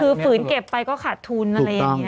คือฝืนเก็บไปก็ขาดทุนอะไรอย่างนี้